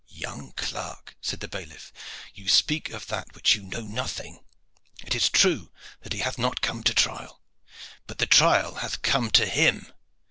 "Young clerk," said the bailiff, "you speak of that of which you know nothing. It is true that he hath not come to trial, but the trial hath come to him.